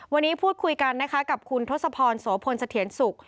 วันนี้พูดคุยกันนะคะกับคุณทศพรโสพลเสถียรสุข